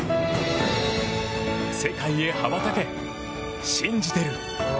世界へ羽ばたけ、信じてる！